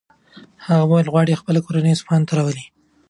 هغه به ویل چې غواړي خپله کورنۍ اصفهان ته راولي.